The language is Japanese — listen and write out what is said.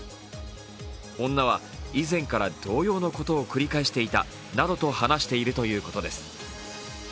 女は、以前から同様のことを繰り返していたなどと話しているということです。